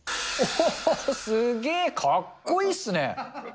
すげー、かっこいいっすね。